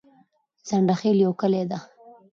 ځنډيخيل يو کلي ده